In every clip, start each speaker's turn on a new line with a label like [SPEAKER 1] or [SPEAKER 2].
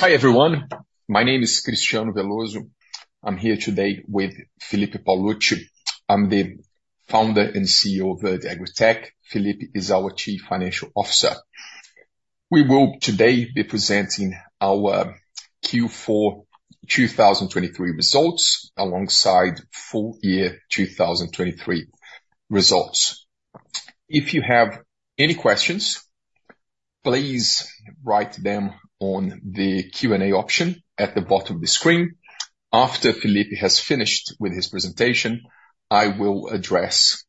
[SPEAKER 1] Hi, everyone. My name is Cristiano Veloso. I'm here today with Felipe Paolucci. I'm the founder and CEO of Verde AgriTech. Felipe is our Chief Financial Officer. We will today be presenting our Q4 2023 results, alongside full year 2023 results. If you have any questions, please write them on the Q&A option at the bottom of the screen. After Felipe has finished with his presentation, I will address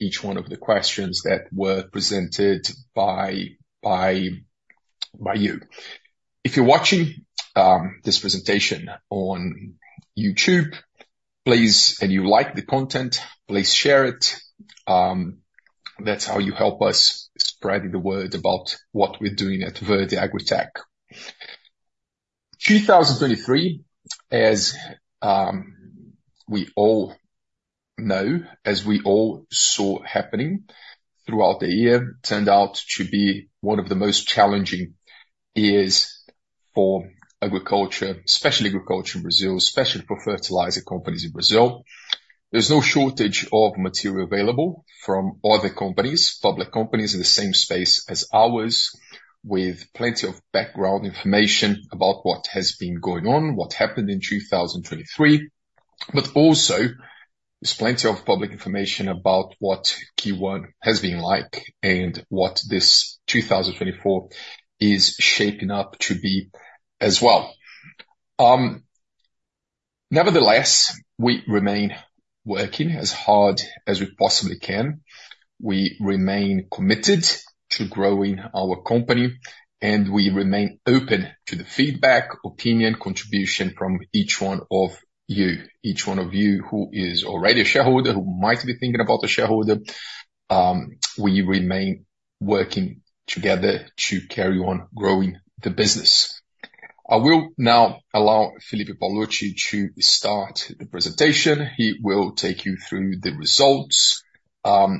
[SPEAKER 1] each one of the questions that were presented by you. If you're watching this presentation on YouTube, please and you like the content, please share it. That's how you help us spreading the word about what we're doing at Verde AgriTech. 2023, as we all know, as we all saw happening throughout the year, turned out to be one of the most challenging years for agriculture, especially agriculture in Brazil, especially for fertilizer companies in Brazil. There's no shortage of material available from other companies, public companies in the same space as ours, with plenty of background information about what has been going on, what happened in 2023. But also, there's plenty of public information about what Q1 has been like and what this 2024 is shaping up to be as well. Nevertheless, we remain working as hard as we possibly can. We remain committed to growing our company, and we remain open to the feedback, opinion, contribution from each one of you. Each one of you who is already a shareholder, who might be thinking about a shareholder, we remain working together to carry on growing the business. I will now allow Felipe Paolucci to start the presentation. He will take you through the results,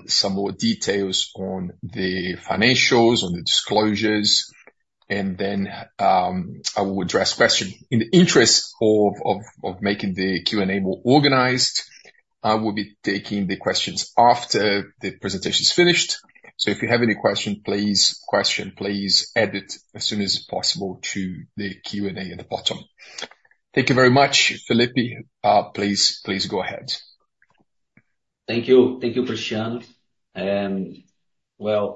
[SPEAKER 1] some more details on the financials, on the disclosures, and then, I will address question. In the interest of making the Q&A more organized, I will be taking the questions after the presentation is finished. So if you have any question, please add it as soon as possible to the Q&A at the bottom. Thank you very much, Felipe. Please, go ahead.
[SPEAKER 2] Thank you. Thank you, Cristiano. Well,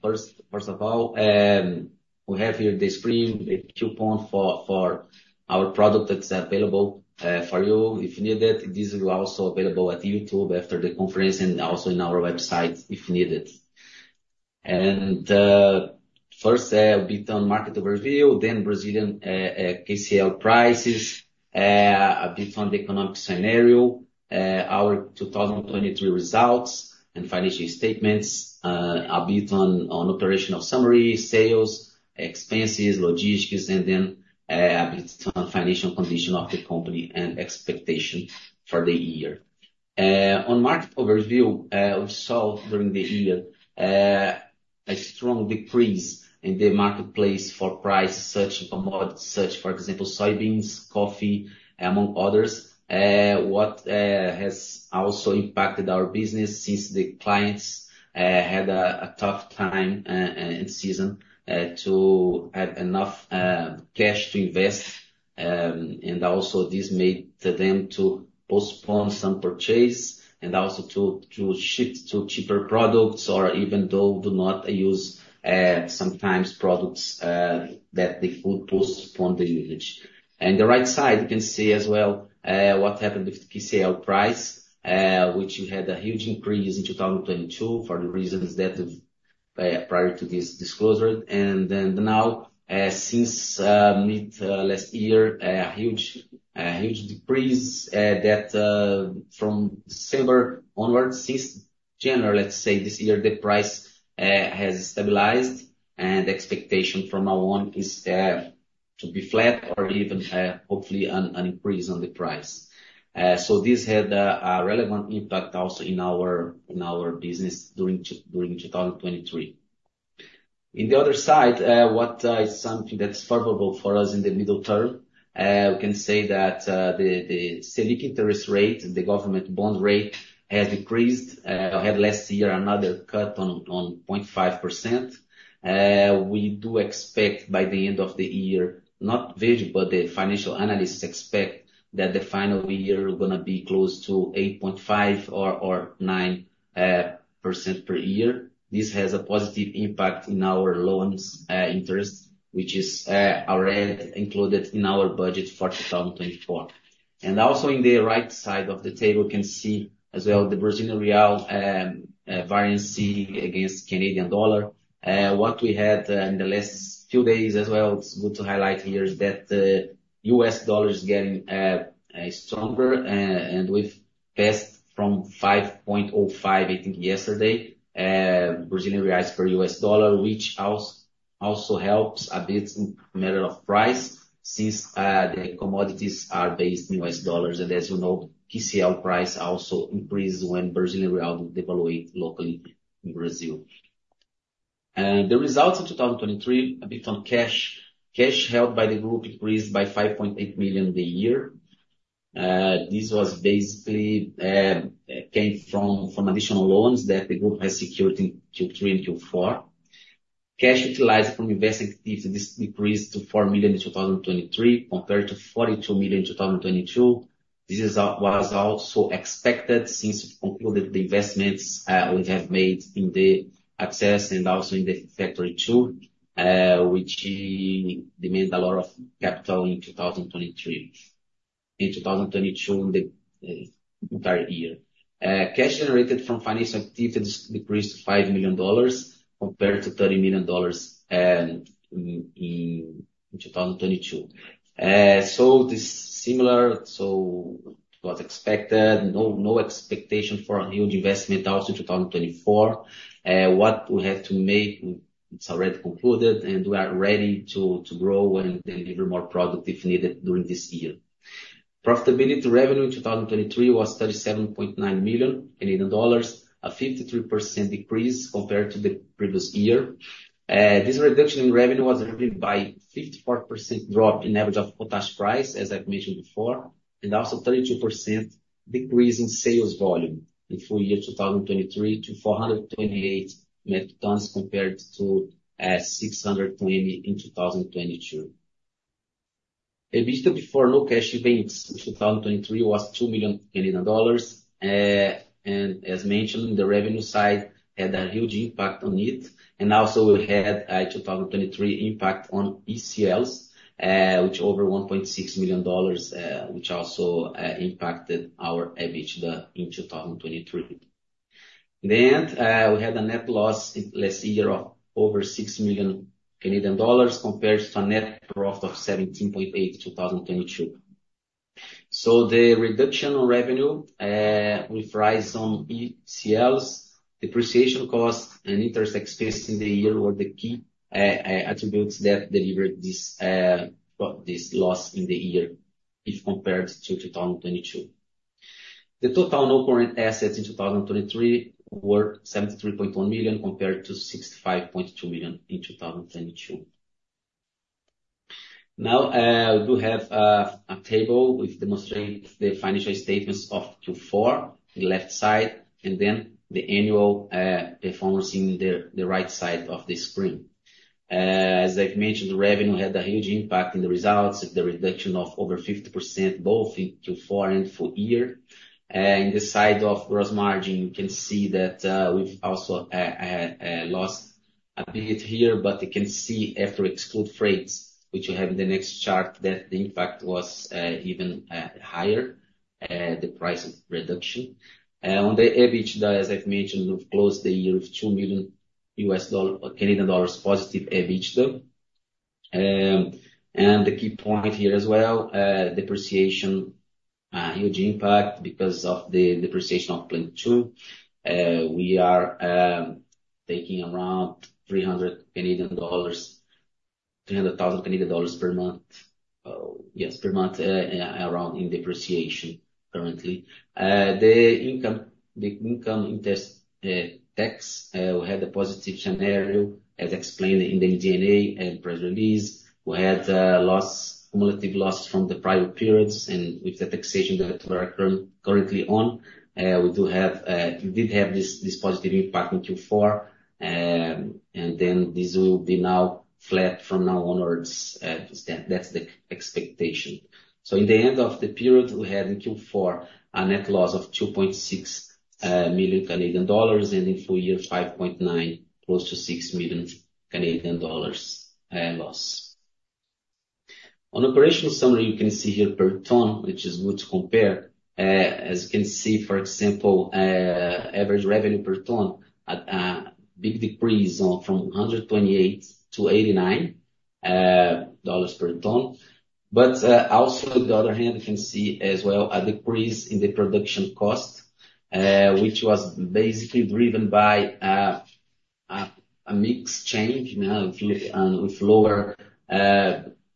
[SPEAKER 2] first of all, we have here the screen, the coupon for our product that's available for you if needed. This is also available at YouTube after the conference and also in our website, if needed. First, a bit on market overview, then Brazilian KCl prices, a bit on the economic scenario, our 2023 results and financial statements, a bit on operational summary, sales, expenses, logistics, and then a bit on financial condition of the company and expectation for the year. On market overview, we saw during the year a strong decrease in the marketplace for price, such commodity, such, for example, soybeans, coffee, among others. What has also impacted our business since the clients had a tough time in season to have enough cash to invest, and also this made to them to postpone some purchase and also to shift to cheaper products, or even though do not use sometimes products that they would postpone the usage. In the right side, you can see as well what happened with the KCl price, which we had a huge increase in 2022 for the reasons that prior to this disclosure. Then now, since mid last year, a huge, a huge decrease that from December onwards, since January, let's say this year, the price has stabilized and expectation from now on is to be flat or even, hopefully an increase on the price. So this had a relevant impact also in our business during 2023. On the other side, what is something that's favorable for us in the middle term, we can say that the Selic rate, the government bond rate, has decreased, had last year another cut of 0.5%. We do expect by the end of the year, not Verde, but the financial analysts expect that the final year we're gonna be close to 8.5% or 9% per year. This has a positive impact in our loans interest, which is already included in our budget for 2024. Also on the right side of the table, you can see as well the Brazilian real variance against Canadian dollar. What we had in the last few days as well, it's good to highlight here, is that the U.S. dollar is getting stronger, and we've passed from 5.05, I think yesterday, Brazilian reals for U.S. dollar, which also helps a bit in matter of price. Since, the commodities are based in U.S. dollars, and as you know, KCl price also increases when Brazilian real devalues locally in Brazil. The results in 2023, a bit on cash. Cash held by the group increased by 5.8 million the year. This was basically came from additional loans that the group has secured in Q3 and Q4. Cash utilized from investing activities decreased to 4 million in 2023, compared to 42 million in 2022. This is, was also expected since we concluded the investments, we have made in the access and also in the factory two, which demand a lot of capital in 2023. In 2022, in the entire year. Cash generated from financial activities decreased to $5 million compared to $30 million in 2022. So this similar, so it was expected. No expectation for a huge investment out in 2024. What we have to make, it's already concluded, and we are ready to grow and deliver more product if needed during this year. Profitability to revenue in 2023 was 37.9 million dollars, a 53% decrease compared to the previous year. This reduction in revenue was driven by 54% drop in average of potash price, as I've mentioned before, and also 32% decrease in sales volume in full year 2023 to 428 metric tons compared to 620 metric tons in 2022. EBITDA before non-cash events, which 2023 was 2 million Canadian dollars, and as mentioned, the revenue side had a huge impact on it. And also we had a 2023 impact on ECLs, which over 1.6 million dollars, which also impacted our EBITDA in 2023. Then, we had a net loss in last year of over 6 million Canadian dollars compared to a net profit of 17.8 million, 2022. So the reduction on revenue, with rise on ECLs, depreciation cost, and interest expense in the year were the key attributes that delivered this, well, this loss in the year if compared to 2022. The total non-current assets in 2023 were 73.1 million, compared to 65.2 million in 2022. Now, we do have a table which demonstrate the financial statements of Q4, the left side, and then the annual performance in the right side of the screen. As I've mentioned, revenue had a huge impact in the results, the reduction of over 50%, both in Q4 and full year. In the side of gross margin, you can see that we've also lost a bit here, but you can see after exclude freights, which you have in the next chart, that the impact was even higher, the price reduction. On the EBITDA, as I've mentioned, we've closed the year with 2 million Canadian dollars positive EBITDA. And the key point here as well, depreciation, a huge impact because of the depreciation of plant two. We are taking around 300,000 Canadian dollars per month. Yes, per month, around in depreciation currently. The income, the income interest, tax, we had a positive scenario, as explained in the MD&A and press release. We had loss, cumulative loss from the prior periods, and with the taxation that we're currently on, we do have, we did have this, this positive impact in Q4. And then this will be now flat from now onwards, that's the expectation. So in the end of the period, we had in Q4 a net loss of 2.6 million Canadian dollars, and in full year, 5.9 million, close to 6 million Canadian dollars loss. On operational summary, you can see here per ton, which is good to compare. As you can see, for example, average revenue per ton at a big decrease from 128 to 89 dollars per ton. But also on the other hand, you can see as well a decrease in the production cost, which was basically driven by a mix change, you know, with lower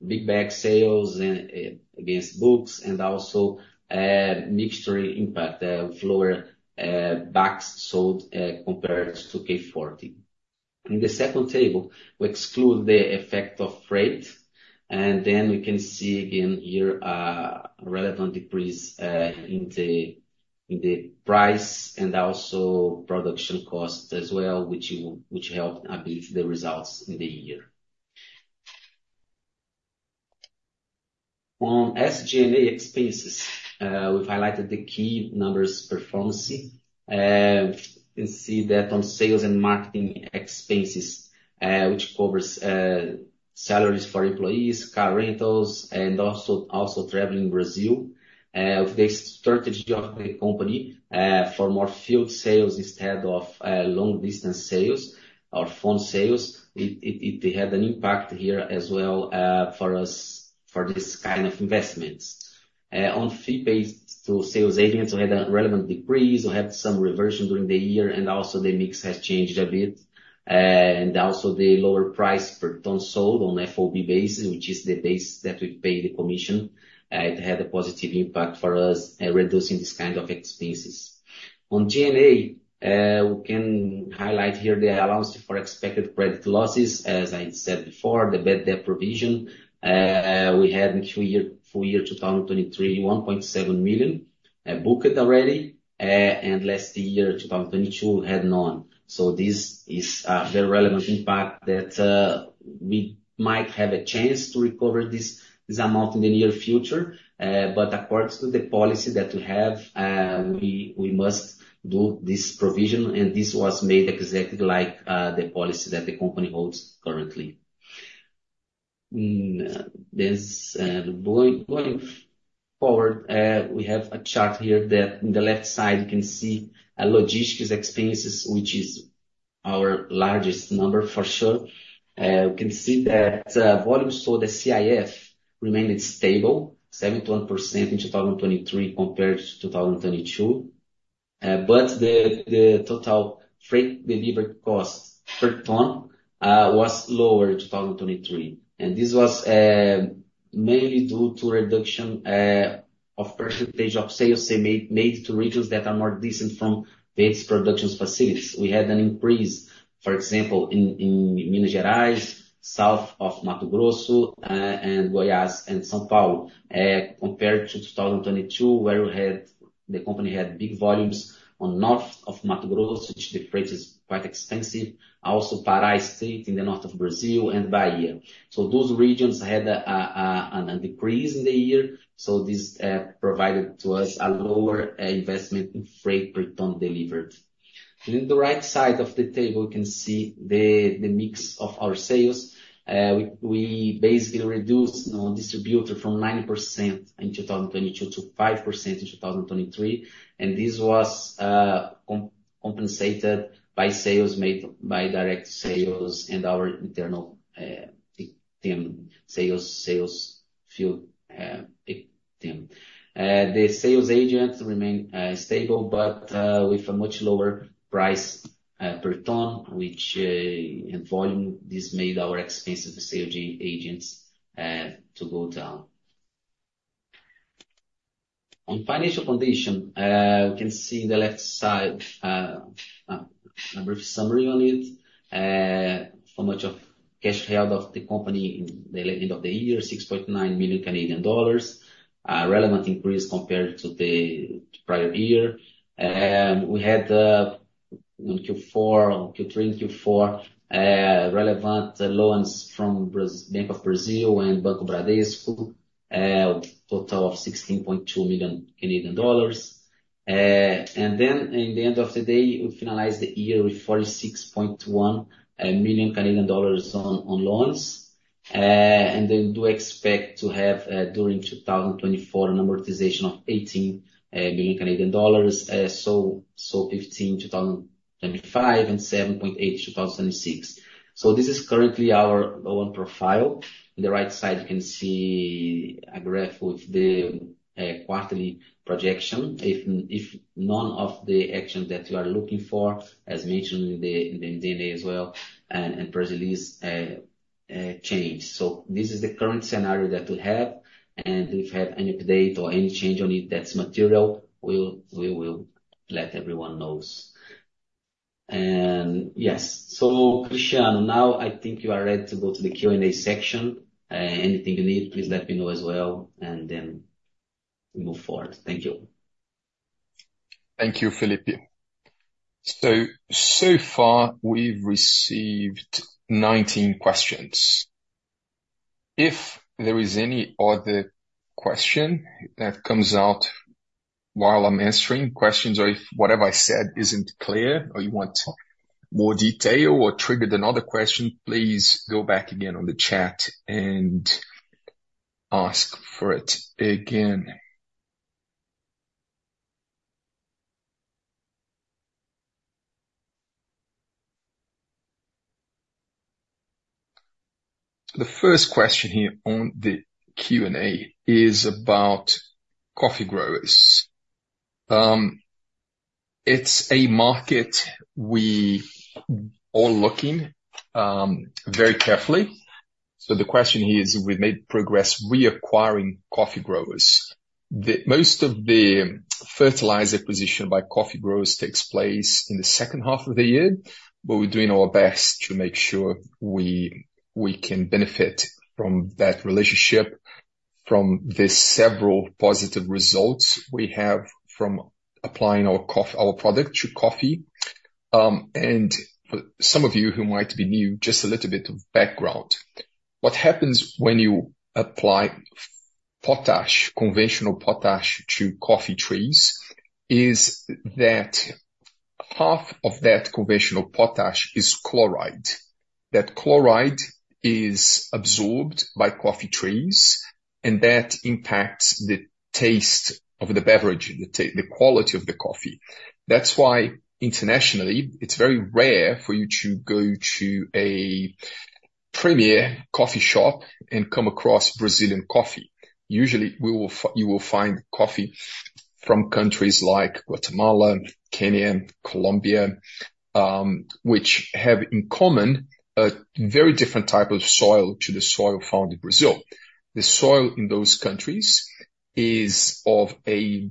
[SPEAKER 2] big bag sales against bulk and also mix impact, with lower BAKS sold compared to K Forte. In the second table, we exclude the effect of freight, and then we can see again here, a relevant decrease in the price and also production cost as well, which helped a bit the results in the year. On SG&A expenses, we've highlighted the key numbers performance. You can see that on sales and marketing expenses, which covers salaries for employees, car rentals, and also travel in Brazil. With the strategy of the company for more field sales instead of long-distance sales or phone sales, it had an impact here as well for us, for this kind of investments. On fee base to sales agents, we had a relevant decrease. We had some reversion during the year, and also the mix has changed a bit. Also the lower price per ton sold on FOB basis, which is the base that we pay the commission, it had a positive impact for us, reducing this kind of expenses. On G&A, we can highlight here the allowance for expected credit losses. As I said before, the bad debt provision, we had in the year, full year 2023, 1.7 million booked already, and last year, 2022, we had none. So this is the relevant impact that we might have a chance to recover this amount in the near future, but according to the policy that we have, we must do this provision, and this was made exactly like the policy that the company holds currently. This going forward, we have a chart here that on the left side, you can see, logistics expenses, which is our largest number for sure. You can see that, volumes sold, the CIF, remained stable, 71% in 2023 compared to 2022. But the total freight delivery cost per ton was lower in 2023, and this was mainly due to reduction of percentage of sales they made to regions that are more distant from these production facilities. We had an increase, for example, in Minas Gerais, south of Mato Grosso, and Goiás, and São Paulo, compared to 2022, where the company had big volumes in north of Mato Grosso, which the freight is quite expensive, also Pará state in the north of Brazil and Bahia. So those regions had a decrease in the year, so this provided to us a lower investment in freight per ton delivered. In the right side of the table, you can see the mix of our sales. We basically reduced on distributor from 9% in 2022 to 5% in 2023, and this was compensated by sales made by direct sales and our internal sales field team. The sales agents remain stable, but with a much lower price per ton, which and volume, this made our expensive sales agents to go down. On financial condition, we can see on the left side a brief summary on it. How much of cash held of the company in the end of the year, 6.9 million Canadian dollars. Relevant increase compared to the prior year. We had in Q4, Q3, Q4 relevant loans from Banco do Brasil and Banco Bradesco, total of 16.2 million Canadian dollars. And then in the end of the day, we finalized the year with 46.1 million Canadian dollars on loans and then we do expect to have, during 2024, an amortization of 18 million Canadian dollars, so 15 million 2025 and 7.8 million 2026. So this is currently our loan profile. On the right side, you can see a graph with the quarterly projection. If none of the actions that we are looking for, as mentioned in the MD&A as well, and Brazil is change. So this is the current scenario that we have, and if we have any update or any change on it, that's material, we will let everyone knows. And yes. So Cristiano, now I think you are ready to go to the Q&A section. Anything you need, please let me know as well, and then we move forward. Thank you.
[SPEAKER 1] Thank you, Felipe. So, so far, we've received 19 questions. If there is any other question that comes out while I'm answering questions, or if whatever I said isn't clear, or you want more detail or triggered another question, please go back again on the chat and ask for it again. The first question here on the Q&A is about coffee growers. It's a market we all looking very carefully. So the question here is, we've made progress reacquiring coffee growers. The most of the fertilizer position by coffee growers takes place in the second half of the year, but we're doing our best to make sure we can benefit from that relationship, from the several positive results we have from applying our our product to coffee. And for some of you who might be new, just a little bit of background. What happens when you apply potash, conventional potash, to coffee trees, is that half of that conventional potash is chloride. That chloride is absorbed by coffee trees, and that impacts the taste of the beverage, the quality of the coffee. That's why, internationally, it's very rare for you to go to a premier coffee shop and come across Brazilian coffee. Usually, you will find coffee from countries like Guatemala, Kenya, Colombia, which have in common a very different type of soil to the soil found in Brazil. The soil in those countries is of a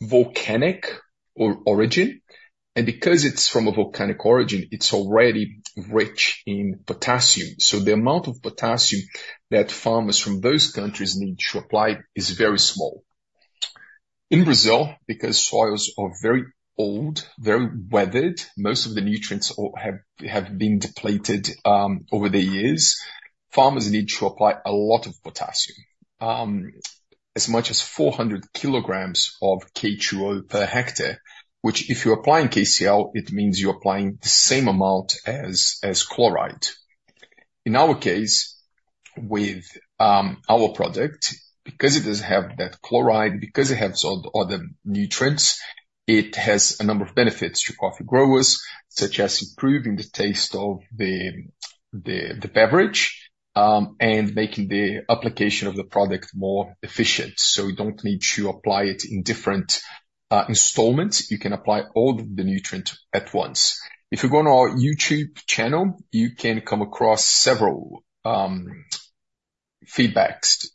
[SPEAKER 1] volcanic origin, and because it's from a volcanic origin, it's already rich in potassium. So the amount of potassium that farmers from those countries need to apply is very small. In Brazil, because soils are very old, very weathered, most of the nutrients all have, have been depleted over the years, farmers need to apply a lot of potassium as much as 400 kg of K2O per hectare, which, if you're applying KCl, it means you're applying the same amount as, as chloride. In our case, with our product, because it doesn't have that chloride, because it has all the, all the nutrients, it has a number of benefits to coffee growers, such as improving the taste of the, the, the beverage and making the application of the product more efficient. So you don't need to apply it in different installments. You can apply all the nutrient at once. If you go on our YouTube channel, you can come across several feedbacks,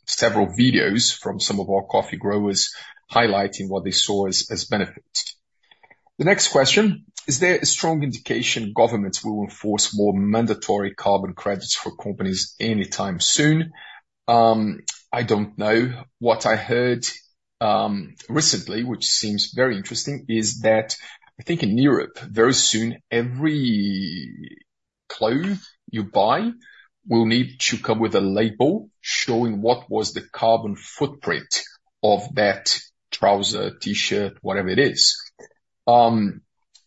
[SPEAKER 1] several videos from some of our coffee growers highlighting what they saw as benefits. The next question: Is there a strong indication governments will enforce more mandatory carbon credits for companies anytime soon? I don't know. What I heard recently, which seems very interesting, is that I think in Europe, very soon, every cloak you buy will need to come with a label showing what was the carbon footprint of that trouser, T-shirt, whatever it is.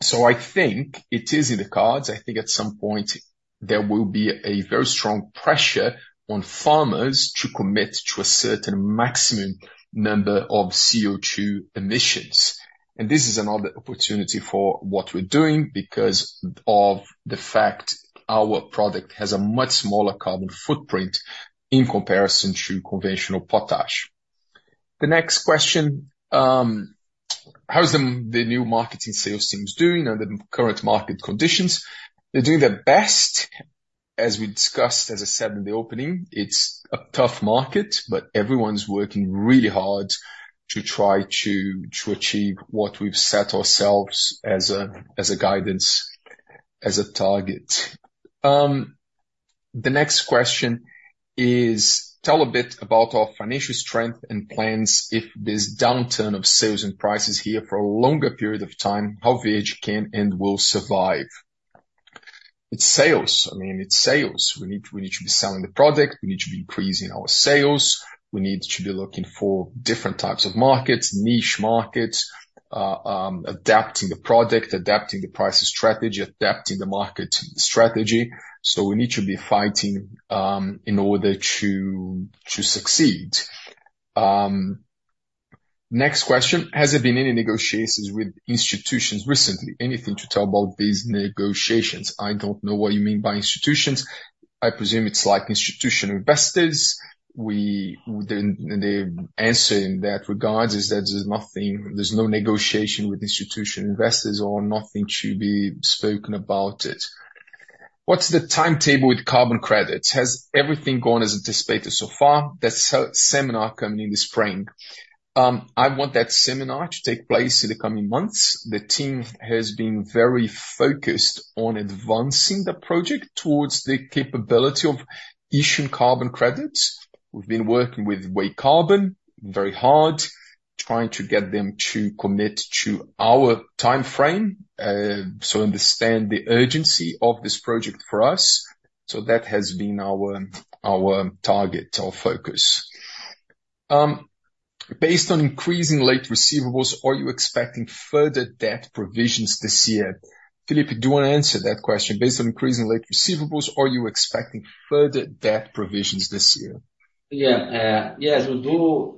[SPEAKER 1] So I think it is in the cards. I think at some point, there will be a very strong pressure on farmers to commit to a certain maximum number of CO2 emissions. This is another opportunity for what we're doing, because of the fact our product has a much smaller carbon footprint in comparison to conventional potash. The next question: How is the new marketing sales teams doing under the current market conditions? They're doing their best. As we discussed, as I said in the opening, it's a tough market, but everyone's working really hard to try to achieve what we've set ourselves as a guidance, as a target. The next question is: Tell a bit about our financial strength and plans if this downturn of sales and prices here for a longer period of time, how we can and will survive? It's sales. I mean, it's sales. We need, we need to be selling the product, we need to be increasing our sales, we need to be looking for different types of markets, niche markets, adapting the product, adapting the price strategy, adapting the market strategy. So we need to be fighting, in order to succeed. Next question: Has there been any negotiations with institutions recently? Anything to tell about these negotiations? I don't know what you mean by institutions. I presume it's like institutional investors. The answer in that regards is that there's nothing, there's no negotiation with institutional investors or nothing to be spoken about it. What's the timetable with carbon credits? Has everything gone as anticipated so far? There's a seminar coming in the spring. I want that seminar to take place in the coming months. The team has been very focused on advancing the project towards the capability of issuing carbon credits. We've been working with WayCarbon, very hard, trying to get them to commit to our timeframe, so understand the urgency of this project for us. So that has been our, our target, our focus. Based on increasing late receivables, are you expecting further debt provisions this year? Felipe, do you wanna answer that question? Based on increasing late receivables, are you expecting further debt provisions this year?
[SPEAKER 2] Yeah, yes, we do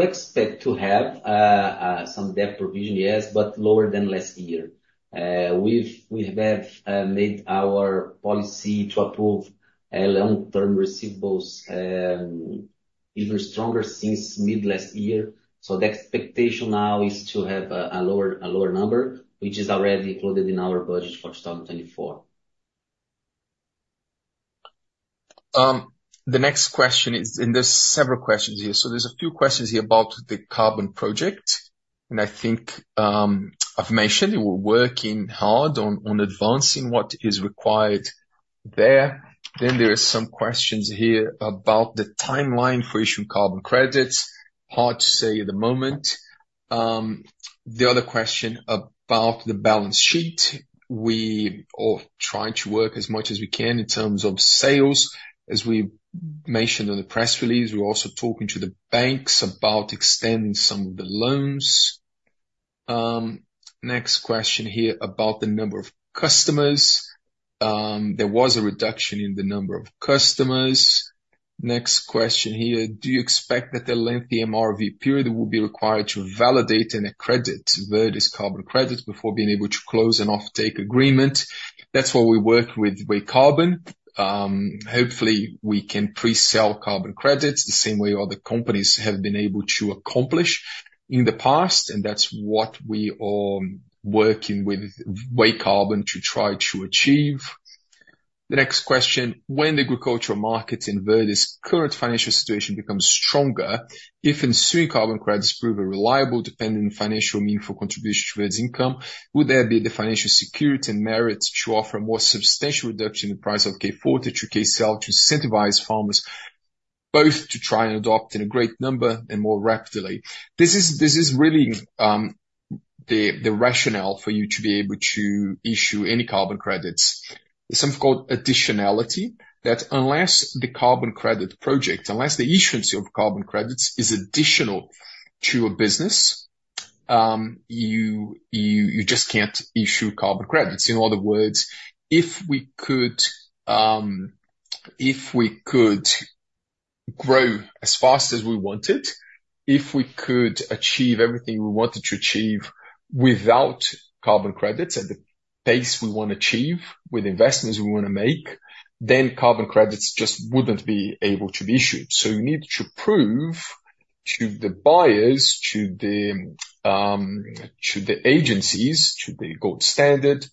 [SPEAKER 2] expect to have some debt provision, yes, but lower than last year. We've made our policy to approve long-term receivables even stronger since mid last year. So the expectation now is to have a lower number, which is already included in our budget for 2024.
[SPEAKER 1] The next question is, and there's several questions here. So there's a few questions here about the carbon project, and I think, I've mentioned we're working hard on advancing what is required there. Then there is some questions here about the timeline for issuing carbon credits. Hard to say at the moment. The other question about the balance sheet, we all try to work as much as we can in terms of sales. As we mentioned in the press release, we're also talking to the banks about extending some of the loans. Next question here about the number of customers. There was a reduction in the number of customers. Next question here: Do you expect that the lengthy MRV period will be required to validate and accredit Verde's carbon credit before being able to close an offtake agreement? That's why we work with WayCarbon. Hopefully, we can pre-sell carbon credits the same way other companies have been able to accomplish in the past, and that's what we are working with WayCarbon to try to achieve. The next question: When the agricultural market in Verde's current financial situation becomes stronger, if ensuing carbon credits prove a reliable, dependent financial mean for contribution to Verde's income, would there be the financial security and merit to offer a more substantial reduction in the price of K Forte, KCl to incentivize farmers, both to try and adopt in a great number and more rapidly? This is really the rationale for you to be able to issue any carbon credits. There's something called additionality, that unless the carbon credit project, unless the issuance of carbon credits is additional to a business, you just can't issue carbon credits. In other words, if we could grow as fast as we wanted, if we could achieve everything we wanted to achieve without carbon credits at the pace we wanna achieve, with investments we wanna make, then carbon credits just wouldn't be able to be issued. So you need to prove to the buyers, to the agencies, to the Gold Standard,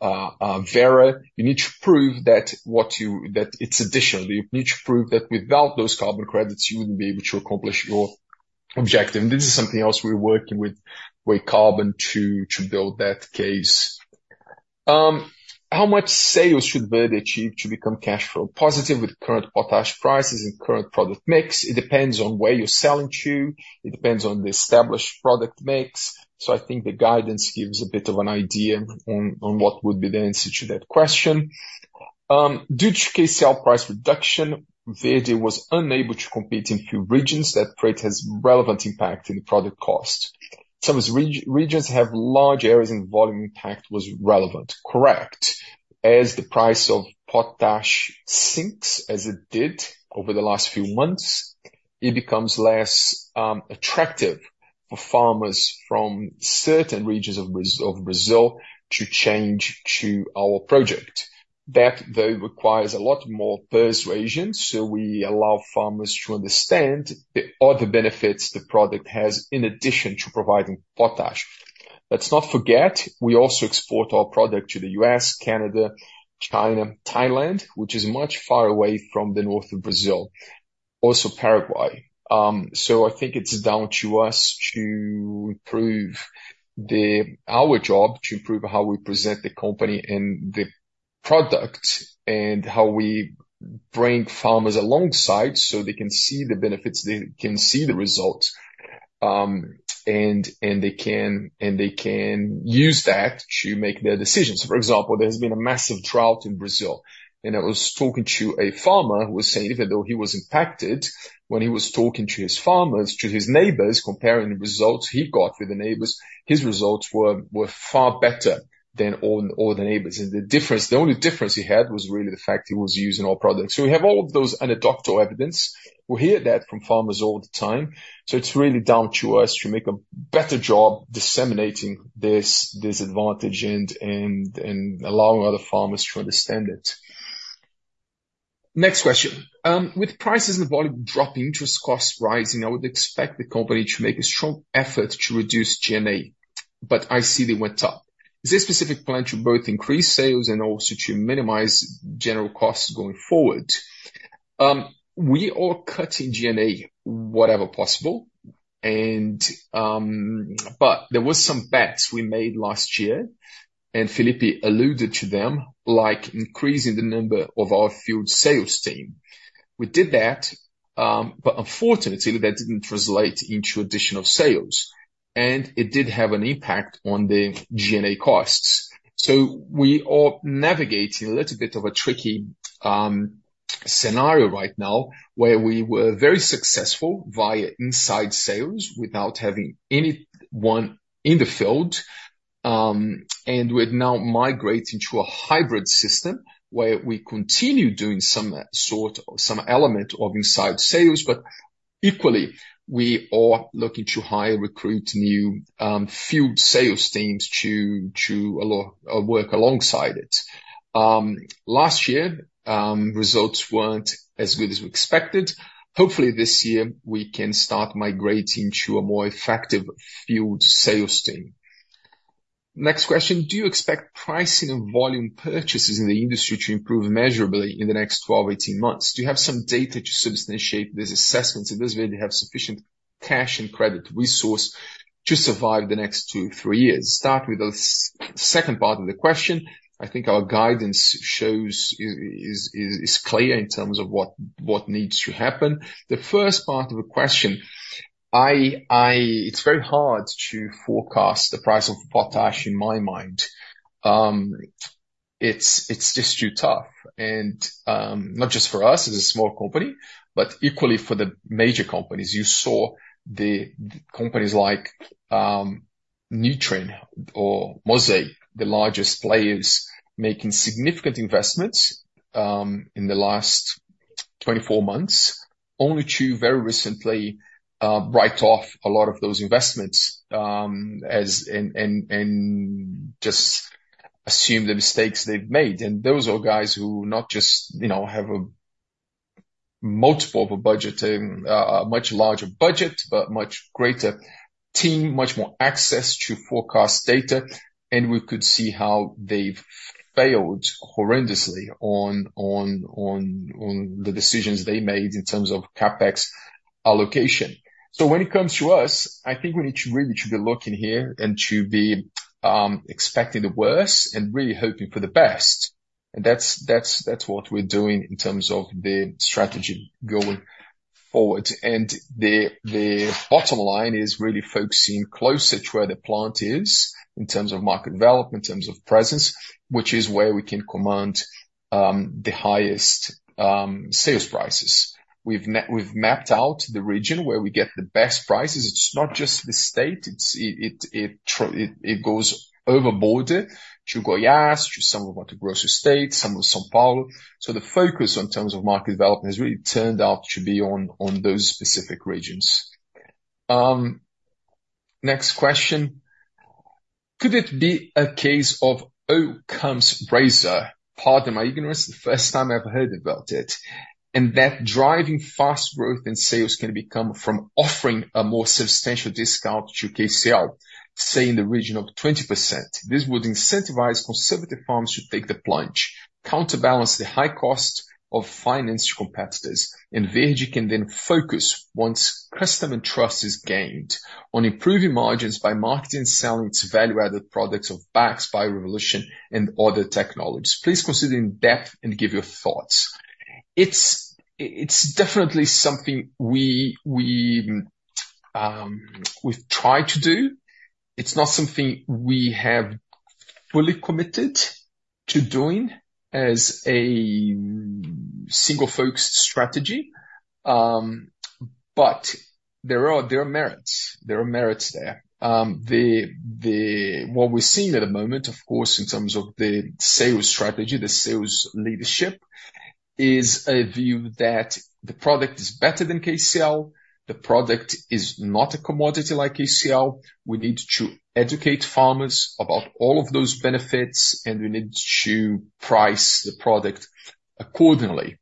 [SPEAKER 1] Verra, you need to prove that it's additional. You need to prove that without those carbon credits, you wouldn't be able to accomplish your objective. This is something else we're working with WayCarbon to build that case. How much sales should Verde achieve to become cash flow positive with current potash prices and current product mix? It depends on where you're selling to, it depends on the established product mix, so I think the guidance gives a bit of an idea on what would be the answer to that question. Due to KCl price reduction, Verde was unable to compete in a few regions. That freight has relevant impact in the product cost. Some regions have large areas, and volume impact was relevant. Correct. As the price of potash sinks, as it did over the last few months, it becomes less attractive for farmers from certain regions of Brazil to change to our project. That, though, requires a lot more persuasion, so we allow farmers to understand the other benefits the product has, in addition to providing potash. Let's not forget, we also export our product to the U.S., Canada, China, Thailand, which is much far away from the north of Brazil, also Paraguay. So I think it's down to us to improve. Our job to improve how we present the company and the product, and how we bring farmers alongside, so they can see the benefits, they can see the results, and they can use that to make their decisions. For example, there's been a massive drought in Brazil, and I was talking to a farmer who was saying, even though he was impacted, when he was talking to his farmers, to his neighbors, comparing the results he got with the neighbors, his results were far better than all the neighbors. The difference, the only difference he had was really the fact he was using our product. So we have all of those anecdotal evidence. We hear that from farmers all the time. So it's really down to us to make a better job disseminating this advantage and allowing other farmers to understand it. Next question. With prices and volume dropping, interest costs rising, I would expect the company to make a strong effort to reduce G&A, but I see they went up. Is there a specific plan to both increase sales and also to minimize general costs going forward? We are cutting G&A whatever possible, and but there were some bets we made last year, and Felipe alluded to them, like increasing the number of our field sales team. We did that, but unfortunately, that didn't translate into additional sales, and it did have an impact on the G&A costs. So we are navigating a little bit of a tricky scenario right now, where we were very successful via inside sales without having anyone in the field. And we're now migrating to a hybrid system, where we continue doing some sort or some element of inside sales, but equally, we are looking to hire, recruit new field sales teams to work alongside it. Last year, results weren't as good as we expected. Hopefully, this year, we can start migrating to a more effective field sales team. Next question: Do you expect pricing and volume purchases in the industry to improve measurably in the next 12-18 months? Do you have some data to substantiate these assessments, and does Verde have sufficient cash and credit resource to survive the next two, three years? Start with the second part of the question. I think our guidance shows is clear in terms of what needs to happen. The first part of the question, it's very hard to forecast the price of potash, in my mind. It's just too tough. And not just for us as a small company, but equally for the major companies. You saw the companies like Nutrien or Mosaic, the largest players, making significant investments in the last 24 months, only to very recently write off a lot of those investments and just assume the mistakes they've made. Those are guys who not just, you know, have a multiple of a budget and a much larger budget, but much greater team, much more access to forecast data, and we could see how they've failed horrendously on the decisions they made in terms of CapEx allocation. When it comes to us, I think we need to really be looking here and expecting the worst and really hoping for the best. That's what we're doing in terms of the strategy going forward. The bottom line is really focusing closer to where the plant is in terms of market development, in terms of presence, which is where we can command the highest sales prices. We've mapped out the region where we get the best prices. It's not just the state, it's, it goes over the border to Goiás, to some of Mato Grosso state, some of São Paulo. So the focus in terms of market development has really turned out to be on, on those specific regions. Next question: Could it be a case of Occam's Razor? Pardon my ignorance, the first time I've heard about it. And that driving fast growth and sales can become from offering a more substantial discount to KCl, say in the region of 20%. This would incentivize conservative firms to take the plunge, counterbalance the high cost of finance competitors, and Verde can then focus once customer trust is gained on improving margins by marketing and selling its value-added products of BAKS, Bio Revolution and other technologies. Please consider in depth and give your thoughts. It's, it's definitely something we've tried to do. It's not something we have fully committed to doing as a single-focused strategy, but there are merits there. What we're seeing at the moment, of course, in terms of the sales strategy, the sales leadership, is a view that the product is better than KCl. The product is not a commodity like KCl. We need to educate farmers about all of those benefits, and we need to price the product accordingly.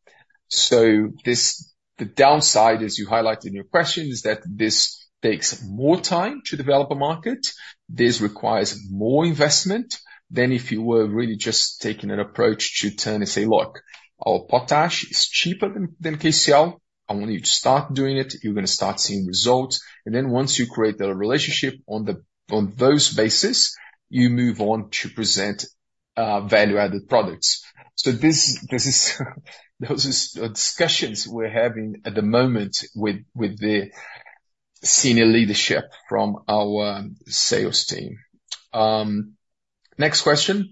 [SPEAKER 1] So this, the downside, as you highlighted in your question, is that this takes more time to develop a market. This requires more investment than if you were really just taking an approach to turn and say, "Look, our potash is cheaper than, than KCl. I want you to start doing it. You're gonna start seeing results." And then once you create the relationship on the- on those basis, you move on to present value-added products. So this, this is, those are discussions we're having at the moment with the senior leadership from our sales team. Next question: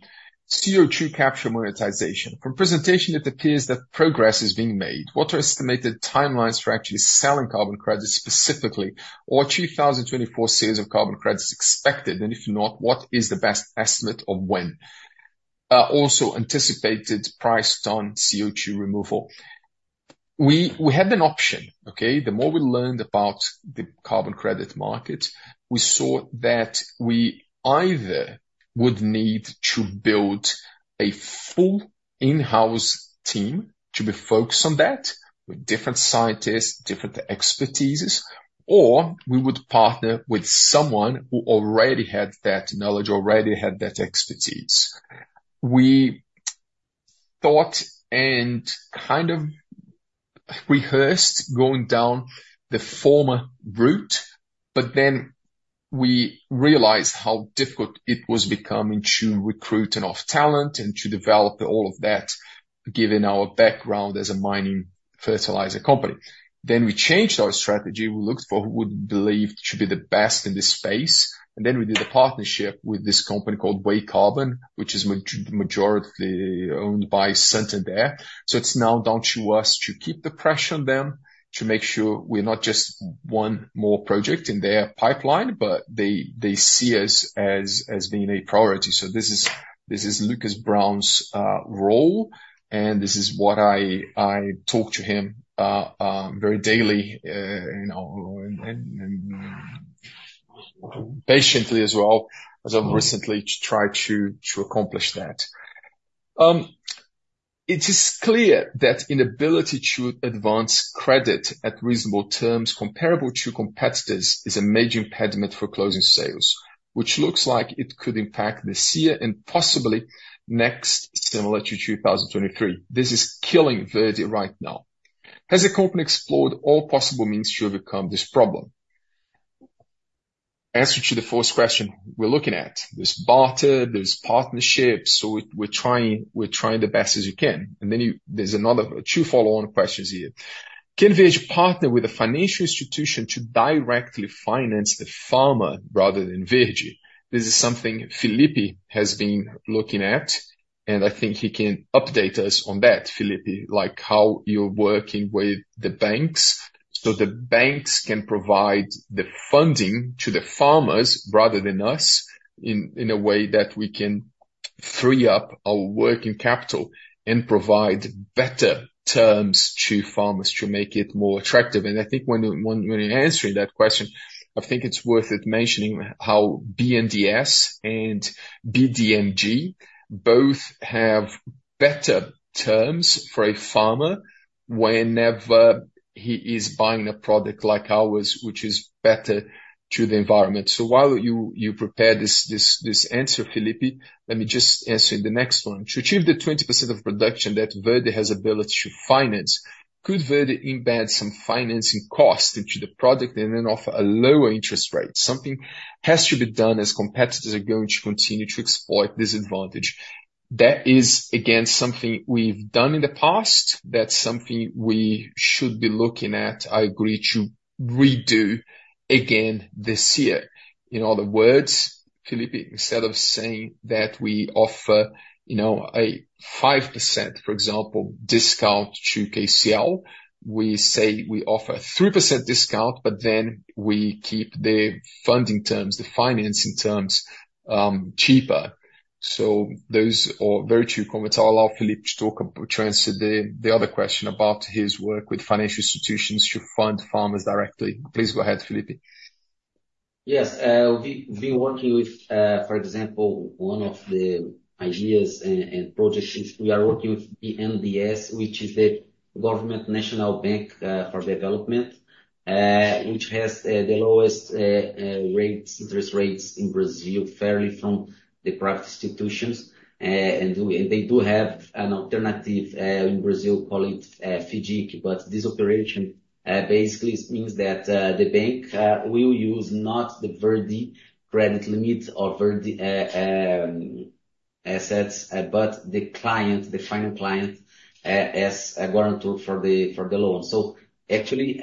[SPEAKER 1] CO2 capture monetization. From presentation, it appears that progress is being made. What are estimated timelines for actually selling carbon credits specifically, or are 2024 sales of carbon credits expected? And if not, what is the best estimate of when? Also anticipated price on CO2 removal? We had an option, okay? The more we learned about the carbon credit market, we saw that we either would need to build a full in-house team to be focused on that with different scientists, different expertises, or we would partner with someone who already had that knowledge, already had that expertise. We thought and kind of rehearsed going down the former route, but then we realized how difficult it was becoming to recruit enough talent and to develop all of that, given our background as a mining fertilizer company. Then we changed our strategy. We looked for who we believed to be the best in this space, and then we did a partnership with this company called WayCarbon, which is majority owned by Santander. So it's now down to us to keep the pressure on them, to make sure we're not just one more project in their pipeline, but they see us as being a priority. So this is Lucas Brown's role, and this is what I talk to him very daily, you know, and patiently as well, as I've recently tried to accomplish that. It is clear that inability to advance credit at reasonable terms comparable to competitors is a major impediment for closing sales, which looks like it could impact this year and possibly next, similar to 2023. This is killing Verde right now. Has the company explored all possible means to overcome this problem? Answer to the first question, we're looking at. There's barter, there's partnerships, so we're trying, we're trying the best as you can. And then there's another two follow-on questions here. Can Verde partner with a financial institution to directly finance the farmer rather than Verde? This is something Felipe has been looking at, and I think he can update us on that, Felipe, like, how you're working with the banks. So the banks can provide the funding to the farmers rather than us, in a way that we can free up our working capital and provide better terms to farmers to make it more attractive. And I think when answering that question, I think it's worth it mentioning how BNDES and BDMG both have better terms for a farmer whenever he is buying a product like ours, which is better to the environment. So while you prepare this answer, Felipe, let me just answer the next one. To achieve the 20% of production that Verde has ability to finance, could Verde embed some financing costs into the product and then offer a lower interest rate? Something has to be done as competitors are going to continue to exploit this advantage. That is, again, something we've done in the past. That's something we should be looking at, I agree to redo again this year. In other words, Felipe, instead of saying that we offer, you know, a 5%, for example, discount to KCl, we say we offer 3% discount, but then we keep the funding terms, the financing terms cheaper. So those are very true comments. I'll allow Felipe to talk to answer the other question about his work with financial institutions to fund farmers directly. Please go ahead, Felipe.
[SPEAKER 2] Yes, we've been working with, for example, one of the ideas and projects is we are working with the BNDES, which is the Brazilian National Development Bank, which has the lowest interest rates in Brazil, fairly from the private institutions. And they do have an alternative in Brazil called FGI. But this operation basically means that the bank will use not the Verde credit limit or Verde assets, but the client, the final client, as a guarantor for the loan. So actually,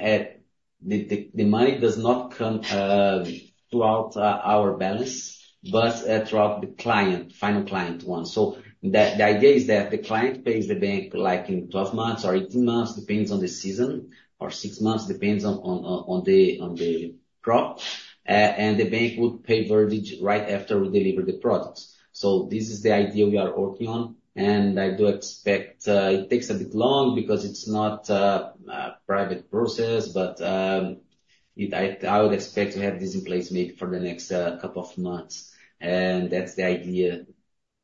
[SPEAKER 2] the money does not come throughout our balance, but throughout the client, final client one. So the idea is that the client pays the bank, like, in 12 months or 18 months, depends on the season, or 6 months, depends on the crop, and the bank would pay Verde right after we deliver the products. So this is the idea we are working on, and I do expect it takes a bit long because it's not private process, but I would expect to have this in place maybe for the next couple of months. And that's the idea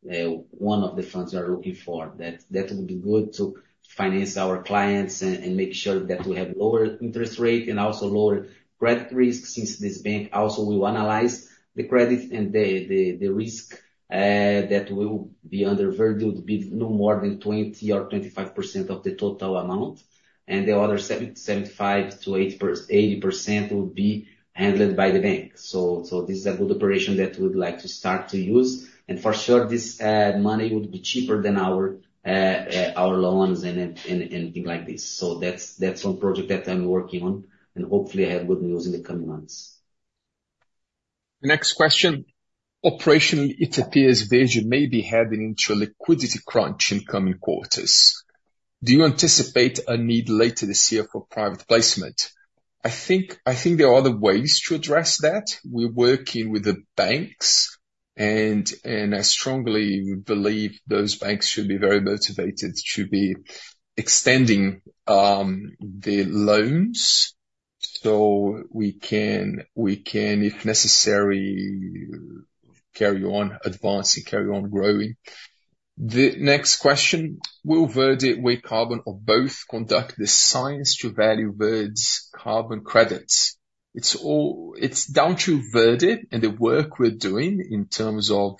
[SPEAKER 2] one of the funds are looking for. That would be good to finance our clients and make sure that we have lower interest rate and also lower credit risk, since this bank also will analyze the credit and the risk that will be under Verde, would be no more than 20 or 25% of the total amount, and the other 75%-80% will be handled by the bank. So this is a good operation that we'd like to start to use. And for sure, this money would be cheaper than our loans and anything like this. So that's one project that I'm working on, and hopefully I have good news in the coming months.
[SPEAKER 1] Next question: Operationally, it appears Verde may be heading into a liquidity crunch in coming quarters. Do you anticipate a need later this year for private placement? I think there are other ways to address that. We're working with the banks, and I strongly believe those banks should be very motivated to be extending the loans, so we can, if necessary, carry on advancing, carry on growing. The next question: Will Verde, WayCarbon, or both, conduct the science to value Verde's carbon credits? It's down to Verde and the work we're doing in terms of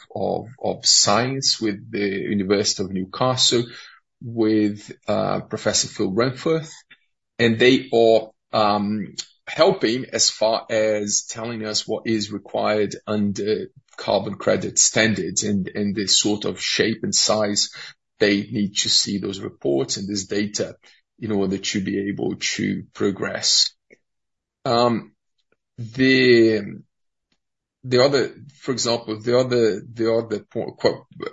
[SPEAKER 1] science with the University of Newcastle, with Professor Phil Renforth, and they are helping as far as telling us what is required under carbon credit standards and the sort of shape and size they need to see those reports and this data in order to be able to progress. The other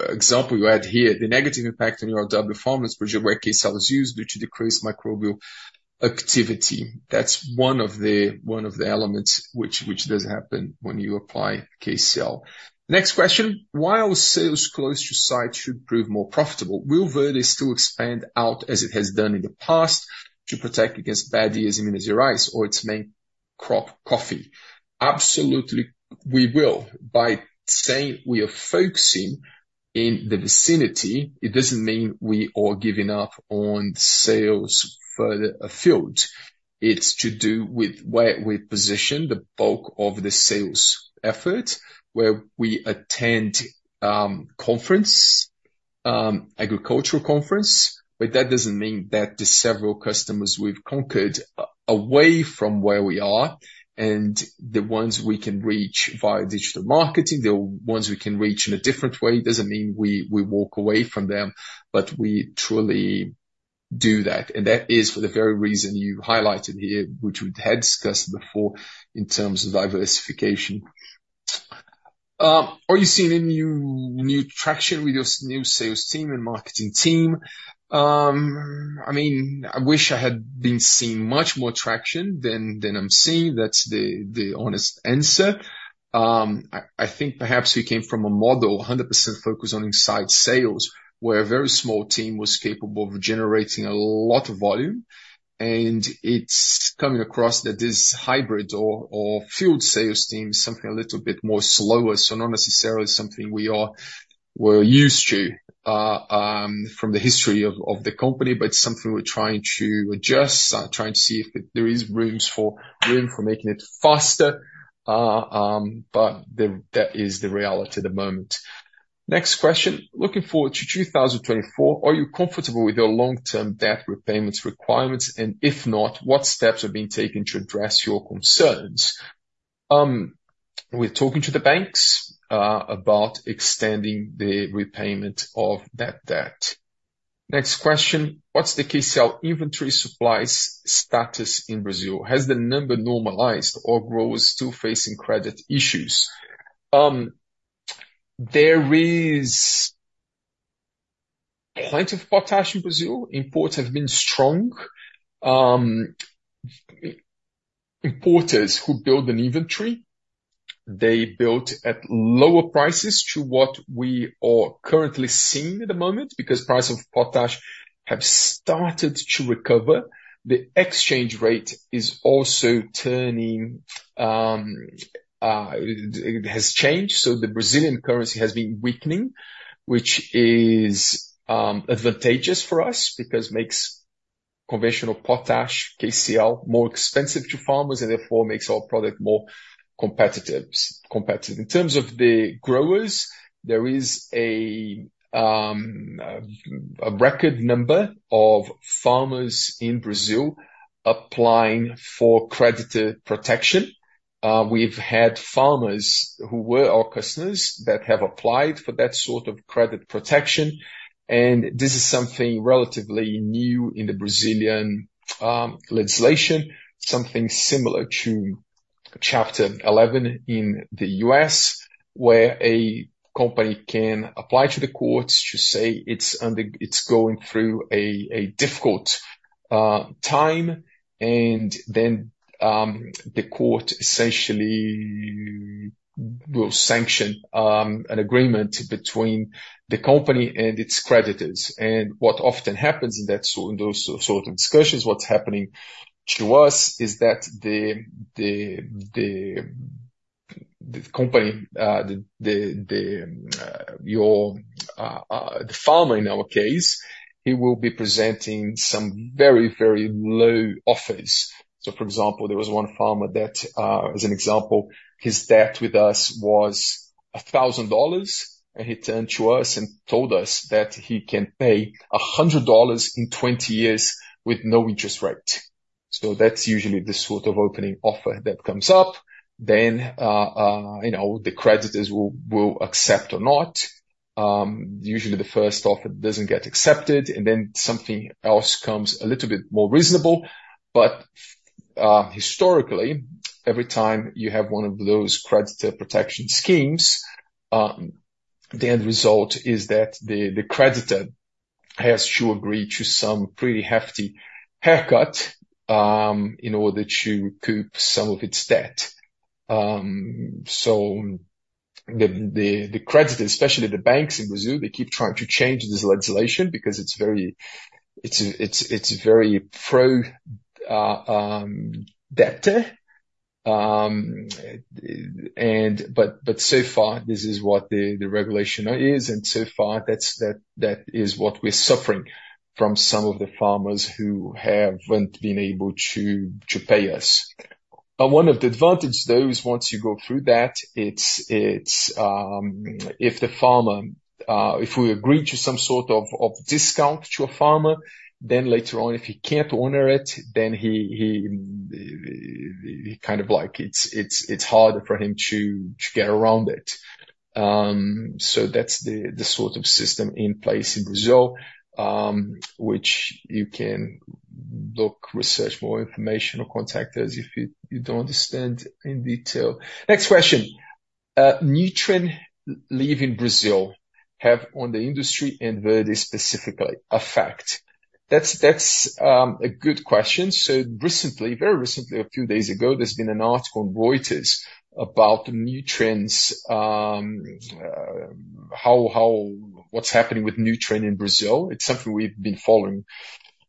[SPEAKER 1] example you had here, the negative impact on your soil performance where KCl is used due to decreased microbial activity. That's one of the elements which does happen when you apply KCl. Next question: While sales close to site should prove more profitable, will Verde still expand out, as it has done in the past, to protect against bad disease and disease or its main crop, coffee? Absolutely, we will. By saying we are focusing in the vicinity, it doesn't mean we are giving up on sales further afield. It's to do with where we position the bulk of the sales effort, where we attend conference, agricultural conference, but that doesn't mean that the several customers we've conquered away from where we are and the ones we can reach via digital marketing, the ones we can reach in a different way, doesn't mean we walk away from them, but we truly do that. That is for the very reason you highlighted here, which we had discussed before, in terms of diversification. Are you seeing any new traction with your new sales team and marketing team? I mean, I wish I had been seeing much more traction than I'm seeing. That's the honest answer. I think perhaps we came from a model, 100% focused on inside sales, where a very small team was capable of generating a lot of volume, and it's coming across that this hybrid or field sales team is something a little bit more slower. So not necessarily something we're used to from the history of the company, but something we're trying to adjust, trying to see if there is room for making it faster. But that is the reality at the moment. Next question. Looking forward to 2024, are you comfortable with your long-term debt repayments requirements? And if not, what steps are being taken to address your concerns? We're talking to the banks about extending the repayment of that debt. Next question: What's the KCl inventory supplies status in Brazil? Has the number normalized or growers still facing credit issues? There is plenty of potash in Brazil. Imports have been strong. Importers who build an inventory, they built at lower prices to what we are currently seeing at the moment, because price of potash have started to recover. The exchange rate is also turning, it has changed, so the Brazilian currency has been weakening, which is, advantageous for us because makes conventional potash, KCl, more expensive to farmers and therefore makes our product more competitive. In terms of the growers, there is a record number of farmers in Brazil applying for creditor protection. We've had farmers who were our customers that have applied for that sort of credit protection, and this is something relatively new in the Brazilian legislation, something similar to Chapter 11 in the U.S., where a company can apply to the courts to say it's going through a difficult time, and then the court essentially will sanction an agreement between the company and its creditors. And what often happens in those sort of discussions, what's happening to us is that the farmer in our case, he will be presenting some very, very low offers. So for example, there was one farmer that, as an example, his debt with us was $1,000, and he turned to us and told us that he can pay $100 in 20 years with no interest rate. So that's usually the sort of opening offer that comes up, then, you know, the creditors will accept or not. Usually the first offer doesn't get accepted, and then something else comes a little bit more reasonable. But historically, every time you have one of those creditor protection schemes, the end result is that the creditor has to agree to some pretty hefty haircut in order to recoup some of its debt. So the creditor, especially the banks in Brazil, they keep trying to change this legislation because it's very pro debtor. But so far, this is what the regulation is, and so far, that's what we're suffering from some of the farmers who haven't been able to pay us. But one of the advantage, though, is once you go through that, it's if the farmer if we agree to some sort of discount to a farmer, then later on, if he can't honor it, then he kind of like it's harder for him to get around it. So that's the sort of system in place in Brazil, which you can look, research more information or contact us if you don't understand in detail. Next question. Nutrien leaving Brazil have on the industry and Verde specifically affect? That's a good question. So recently, very recently, a few days ago, there's been an article on Reuters about what's happening with Nutrien in Brazil. It's something we've been following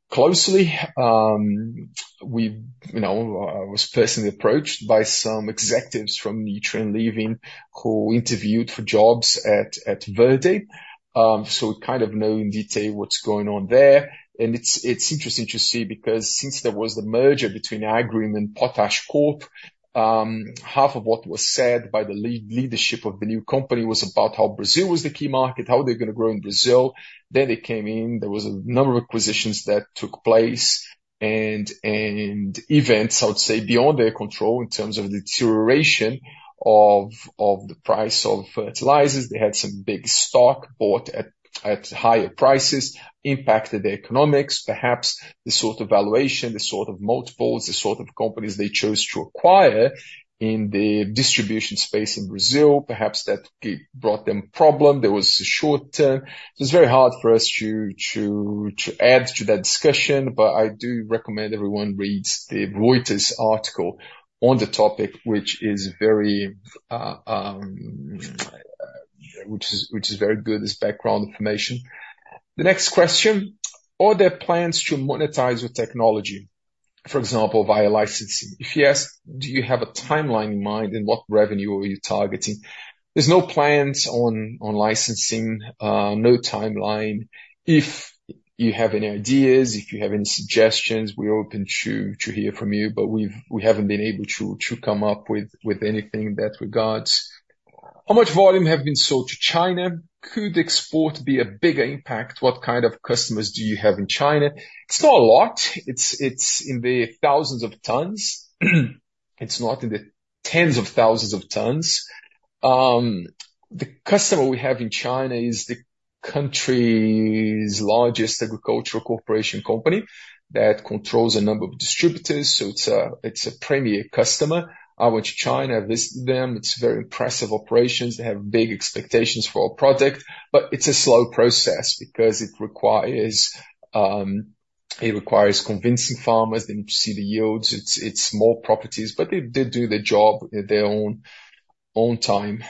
[SPEAKER 1] closely. You know, I was personally approached by some executives from Nutrien leaving, who interviewed for jobs at Verde. So we kind of know in detail what's going on there. It's interesting to see, because since there was the merger between Agrium and PotashCorp, half of what was said by the leadership of the new company was about how Brazil was the key market, how they're gonna grow in Brazil. Then they came in, there was a number of acquisitions that took place and events, I would say, beyond their control in terms of the deterioration of the price of fertilizers. They had some big stock bought at higher prices impacted the economics, perhaps the sort of valuation, the sort of multiples, the sort of companies they chose to acquire in the distribution space in Brazil. Perhaps that brought them problem. There was a short-term. It's very hard for us to add to that discussion, but I do recommend everyone reads the Reuters article on the topic, which is very good, as background information. The next question: Are there plans to monetize the technology, for example, via licensing? If yes, do you have a timeline in mind, and what revenue are you targeting? There's no plans on licensing, no timeline. If you have any ideas, if you have any suggestions, we're open to hear from you, but we haven't been able to come up with anything in that regards. How much volume have been sold to China? Could export be a bigger impact? What kind of customers do you have in China? It's not a lot. It's in the thousands of tons. It's not in the tens of thousands of tons. The customer we have in China is the country's largest agricultural corporation company that controls a number of distributors, so it's a premier customer. I went to China, visited them. It's very impressive operations. They have big expectations for our product, but it's a slow process because it requires convincing farmers. They need to see the yields. It's more properties, but they do their job in their own time.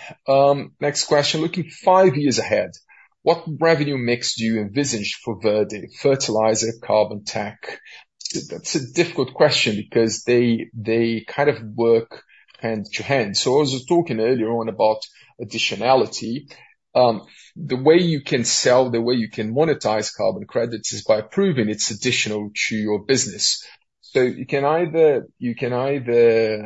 [SPEAKER 1] Next question: Looking five years ahead, what revenue mix do you envisage for Verde? Fertilizer, carbon tech? That's a difficult question because they kind of work hand to hand. So I was just talking earlier on about additionality. The way you can sell, the way you can monetize carbon credits is by proving it's additional to your business. So you can either create a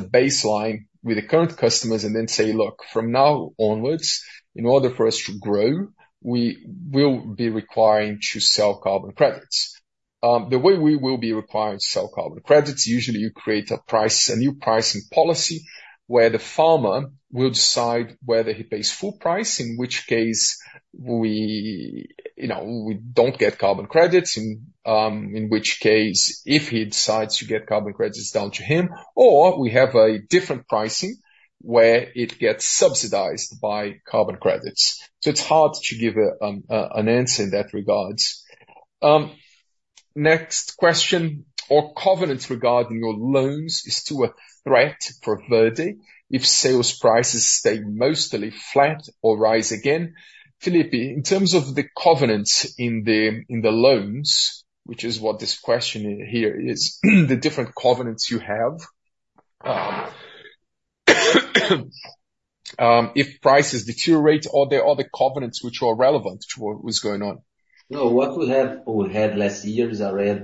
[SPEAKER 1] baseline with the current customers and then say, "Look, from now onwards, in order for us to grow, we will be requiring to sell carbon credits." The way we will be requiring to sell carbon credits, usually you create a price, a new pricing policy, where the farmer will decide whether he pays full price, in which case we, you know, don't get carbon credits, in which case, if he decides to get carbon credits, it's down to him, or we have a different pricing where it gets subsidized by carbon credits. So it's hard to give a an answer in that regards. Next question: Are covenants regarding your loans is to a threat for Verde if sales prices stay mostly flat or rise again? Felipe, in terms of the covenants in the loans, which is what this question here is, the different covenants you have, if prices deteriorate, are there other covenants which are relevant to what's going on?
[SPEAKER 2] No, what we have or had last year is already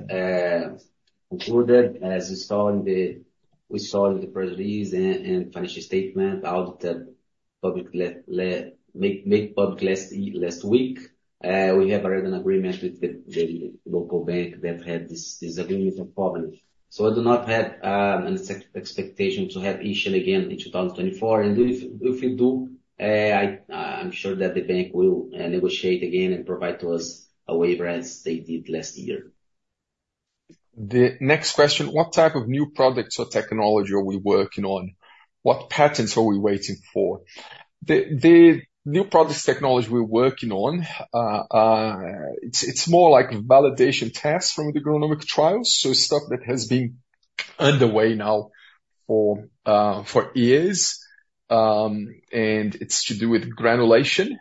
[SPEAKER 2] included, as you saw in the press release and financial statement audit, publicly made public last week. We have already an agreement with the local bank that had this agreement in problem. So I do not have an expectation to have issue again in 2024, and if we do, I'm sure that the bank will negotiate again and provide to us a waiver as they did last year.
[SPEAKER 1] The next question: What type of new products or technology are we working on? What patents are we waiting for? The new products technology we're working on, it's more like validation tests from the agronomic trials, so stuff that has been underway now for years, and it's to do with granulation.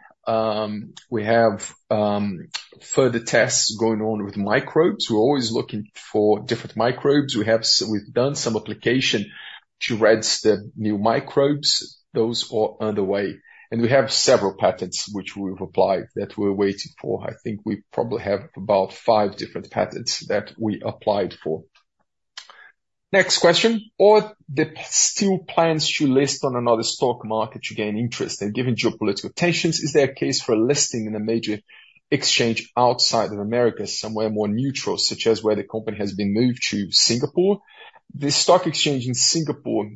[SPEAKER 1] We have further tests going on with microbes. We're always looking for different microbes. We've done some application to register new microbes. Those are underway. And we have several patents which we've applied, that we're waiting for. I think we probably have about five different patents that we applied for. Next question: Are there still plans to list on another stock market to gain interest? Given geopolitical tensions, is there a case for a listing in a major exchange outside of America, somewhere more neutral, such as where the company has been moved to Singapore? The stock exchange in Singapore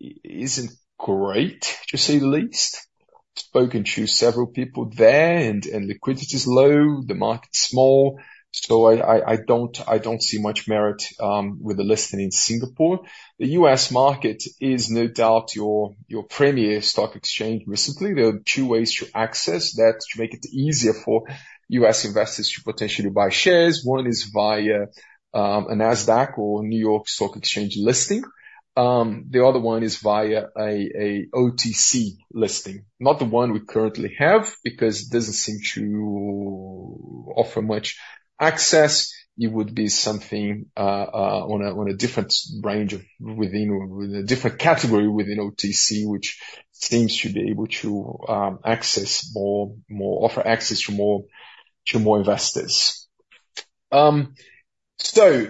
[SPEAKER 1] isn't great, to say the least. Spoken to several people there, and liquidity is low, the market's small, so I don't see much merit with the listing in Singapore. The U.S. market is no doubt your premier stock exchange recently. There are two ways to access that, to make it easier for U.S. investors to potentially buy shares. One is via a NASDAQ or New York Stock Exchange listing. The other one is via a OTC listing. Not the one we currently have, because it doesn't seem to offer much access. It would be something on a different range of within or with a different category within OTC, which seems to be able to offer access to more investors. So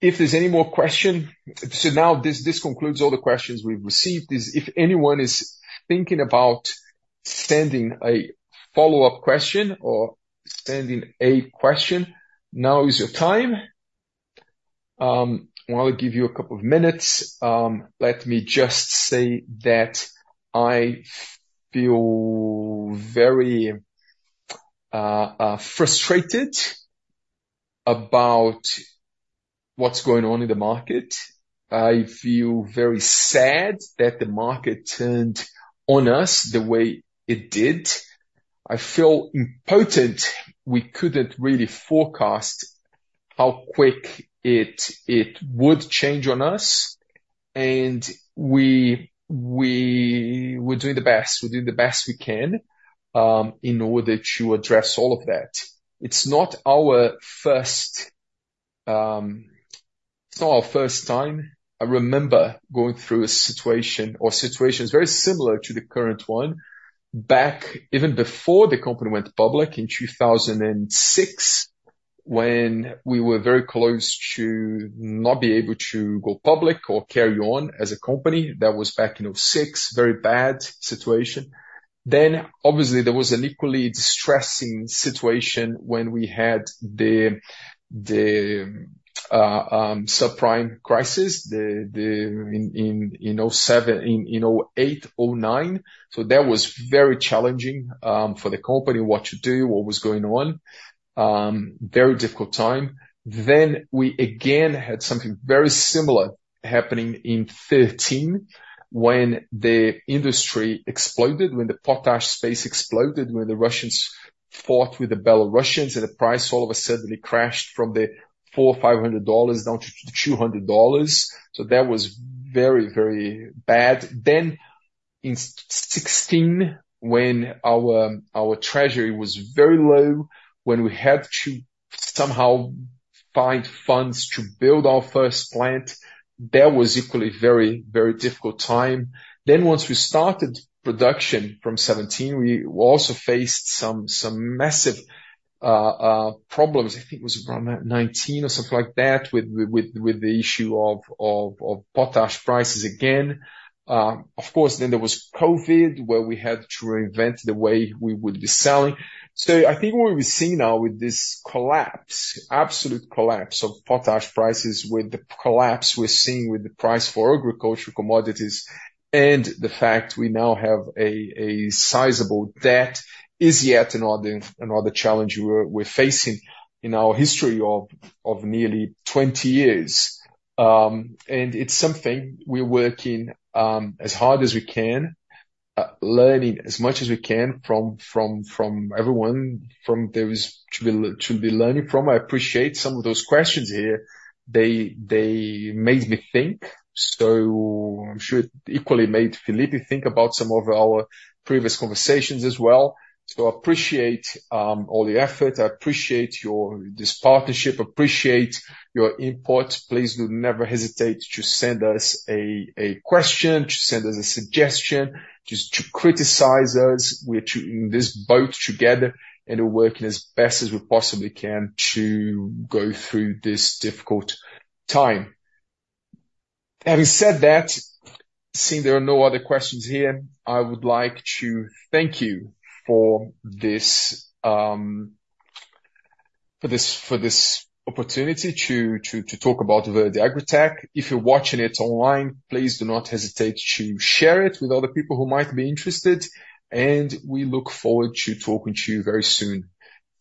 [SPEAKER 1] if there's any more question. So now, this concludes all the questions we've received. If anyone is thinking about sending a follow-up question or sending a question, now is your time. While I give you a couple of minutes, let me just say that I feel very frustrated about what's going on in the market. I feel very sad that the market turned on us the way it did. I feel impotent. We couldn't really forecast how quick it would change on us, and we're doing the best. We're doing the best we can in order to address all of that. It's not our first time. I remember going through a situation or situations very similar to the current one back even before the company went public in 2006, when we were very close to not be able to go public or carry on as a company. That was back in 2006. Very bad situation. Then, obviously, there was an equally distressing situation when we had the subprime crisis in 2007 - in 2008, 2009. So that was very challenging for the company, what to do, what was going on. Very difficult time. Then we again had something very similar happening in 2013, when the industry exploded, when the potash space exploded, when the Russians fought with the Belarusians, and the price all of a suddenly crashed from $400, $500 down to $200. So that was very, very bad. Then in 2016, when our treasury was very low, when we had to somehow find funds to build our first plant, that was equally very, very difficult time. Then once we started production from 2017, we also faced some massive problems. I think it was around 2019 or something like that, with the issue of potash prices again. Of course, then there was COVID, where we had to reinvent the way we would be selling. So I think what we see now with this collapse, absolute collapse of potash prices, with the collapse we're seeing with the price for agricultural commodities, and the fact we now have a sizable debt, is yet another challenge we're facing in our history of nearly 20 years. And it's something we're working as hard as we can, learning as much as we can from everyone, from there is to be learning from. I appreciate some of those questions here. They made me think, so I'm sure it equally made Felipe think about some of our previous conversations as well. So I appreciate all the effort. I appreciate your this partnership, appreciate your input. Please do never hesitate to send us a question, to send us a suggestion, just to criticize us. We're in this boat together, and we're working as best as we possibly can to go through this difficult time. Having said that, seeing there are no other questions here, I would like to thank you for this opportunity to talk about Verde AgriTech. If you're watching it online, please do not hesitate to share it with other people who might be interested, and we look forward to talking to you very soon.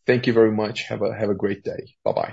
[SPEAKER 1] Thank you very much. Have a great day. Bye-bye.